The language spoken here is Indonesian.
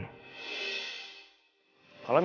kalo emang bener adik saya menghamili elsa